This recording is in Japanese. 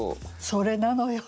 それなのよ。